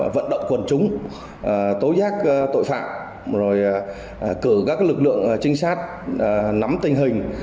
vận động quần chúng tố giác tội phạm rồi cử các lực lượng trinh sát nắm tình hình